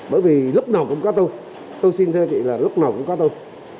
bởi vì lúc nào cũng có tôi tôi xin thưa chị là lúc nào cũng có tôi